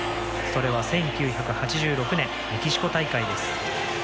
それは１９８６年メキシコ大会です。